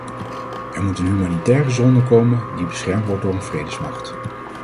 Er moet een humanitaire zone komen, die beschermd wordt door een vredesmacht.